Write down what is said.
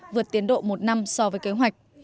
vượt tiến độ một năm so với kế hoạch